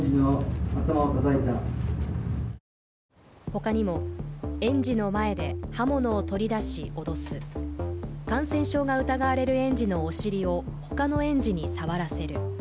他にも、園児の前で刃物を取り出し脅す感染症が疑われる園児のお尻を他の園児に触らせる。